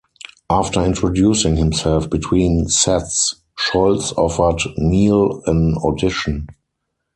After introducing himself between sets, Scholz offered Neal an audition.